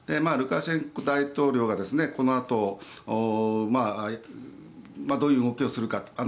ルカシェンコ大統領がこのあとどういう動きをするか。